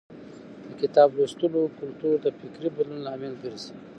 د کتاب لوستلو کلتور د فکري بدلون لامل ګرځي.